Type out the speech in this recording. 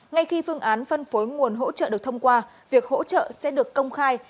ngay khi phương án phân phối nguồn hỗ trợ được thông qua việc hỗ trợ sẽ được công khai